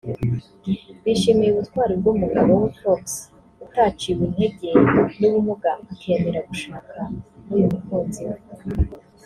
bishimiye ubutwari bw’umugabo we Fox utaciwe integer n’ubumuga akemera gushaka n’uyu mukunzi we